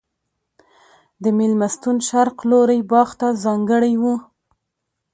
د مېلمستون شرق لوری باغ ته ځانګړی و.